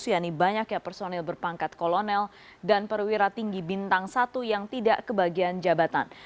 yakni banyaknya personil berpangkat kolonel dan perwira tinggi bintang satu yang tidak kebagian jabatan